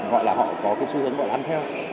gọi là họ có cái xu hướng gọi là ăn theo